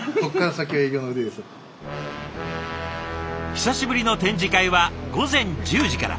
久しぶりの展示会は午前１０時から。